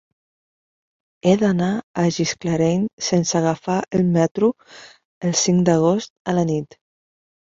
He d'anar a Gisclareny sense agafar el metro el cinc d'agost a la nit.